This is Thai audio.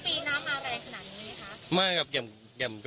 ตอนนี้เข้าบ้านไม่ได้ครับน้ำน้ำมันหมาครับผมอืม